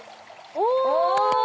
お！